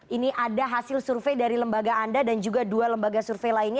ini ada hasil survei dari lembaga anda dan juga dua lembaga survei lainnya